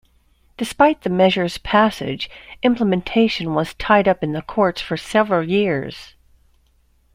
Despite the measure's passage, implementation was tied up in the courts for several years.